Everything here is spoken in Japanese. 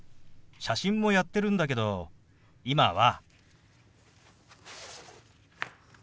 写真もやってるんだけど今は。